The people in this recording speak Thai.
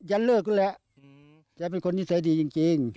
ยันเลิกกันแล้วจะเป็นคนนิสัยดีจริง